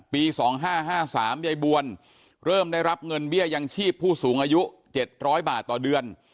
ปี๒๕๕๓ยายบวลเริ่มได้รับเงินเบี้ยยังชีพผู้สูงอายุ๗๐๐บาทต่อเดือน